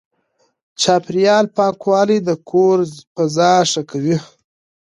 چاپېريال پاکوالی د کور فضا ښه کوي.